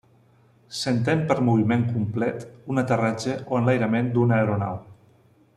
S'entén per moviment complet un aterratge o enlairament d'una aeronau.